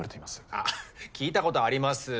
あっ聞いたことあります。